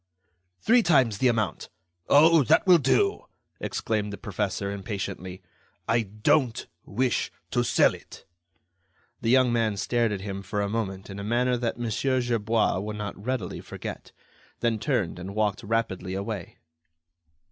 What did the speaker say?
"Three times the amount." "Oh! that will do," exclaimed the professor, impatiently; "I don't wish to sell it." The young man stared at him for a moment in a manner that Mon. Gerbois would not readily forget, then turned and walked rapidly away.